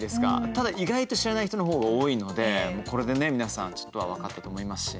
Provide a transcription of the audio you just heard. ただ意外と知らない人のほうが多いのでこれでね、皆さんちょっとは分かったと思いますし。